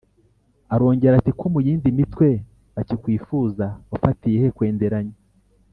Arongera ati: Ko mu yindi mitwe bakikwifuza wafatiye he kwenderanya?